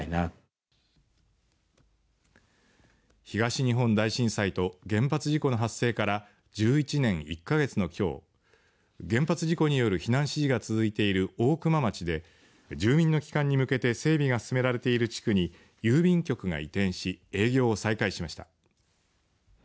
東日本大震災と原発事故の発生から１１年１か月のきょう原発事故による避難指示が続いている大熊町で住民の帰還に向けて整備が進められている地区に郵便局が移転し営業を再開しました。